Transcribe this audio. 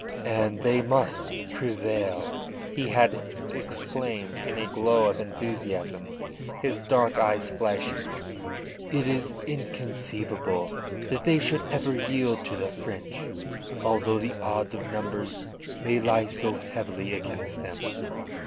"And they must prevail," he had exclaimed in a glow of enthusiasm, his dark eyes flashing. "It is inconceivable that they should ever yield to the French, although the odds of numbers may lie so heavily against them."